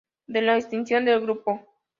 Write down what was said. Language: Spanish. De la extinción del grupo.